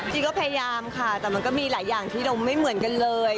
จริงก็พยายามค่ะแต่มันก็มีหลายอย่างที่เราไม่เหมือนกันเลย